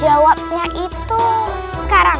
jawabnya itu sekarang